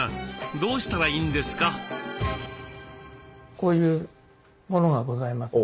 こういうものがございますので。